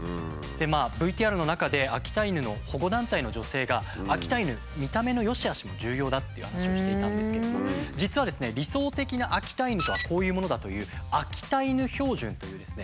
ＶＴＲの中で秋田犬の保護団体の女性が秋田犬見た目のよしあしも重要だっていう話をしていたんですけれども実はですね理想的な秋田犬とはこういうものだという「秋田犬標準」というですね